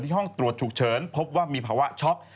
ห้องตรวจฉุกเฉินพบว่ามีภาวะช็อก